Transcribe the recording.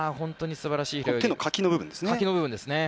手のかきの部分ですね。